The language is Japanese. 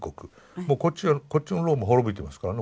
もうこっちはこっちのローマ滅びてますからね。